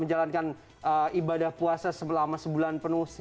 menjalankan ibadah puasa selama sebulan penuh